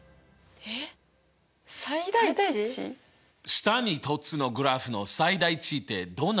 下に凸のグラフの最大値ってどうなると思う？